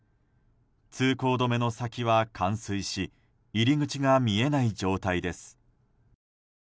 通行止めの先は冠水し入り口が見えない状態です。